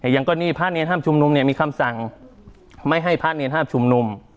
อย่างก่อนนี้พระอาทิตย์เนียนห้ามชุมนุมเนี่ยมีคำสั่งไม่ให้พระอาทิตย์เนียนห้ามชุมนุม